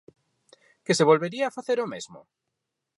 Que se volvería facer o mesmo?